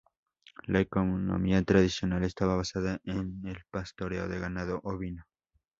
La economía tradicional estaba basada en el pastoreo de ganado ovino.